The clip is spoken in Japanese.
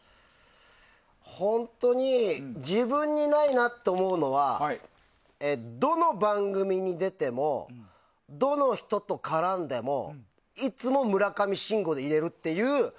本当に自分にないなと思うのはどの番組に出てもどの人と絡んでもいつも村上信五でいれるという。